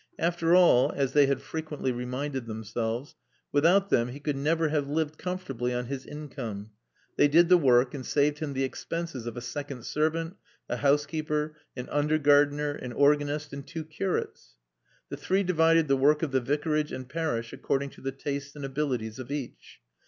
After all (as they had frequently reminded themselves), without them he could never have lived comfortably on his income. They did the work and saved him the expenses of a second servant, a housekeeper, an under gardener, an organist and two curates. The three divided the work of the Vicarage and parish, according to the tastes and abilities of each.